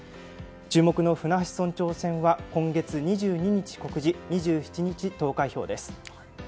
注目の舟橋村長は今月２２日、告示２７日、投開票です。